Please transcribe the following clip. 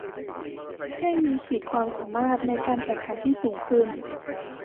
ให้มีขีดความสามารถในการแข่งขันที่สูงขึ้น